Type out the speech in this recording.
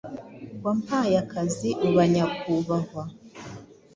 Wampaye akazi uba nyakubahwa